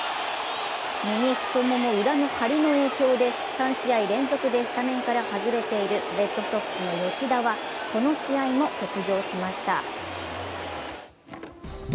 右太もも裏の張りの影響で３試合連続スタメンから外れているレッドソックスの吉田はこの試合も欠場しました。